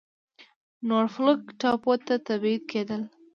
نورفولک ټاپو ته تبعید کېدل.